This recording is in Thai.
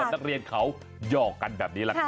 นี่เค้าบอกว่าขี่มักย่องนะ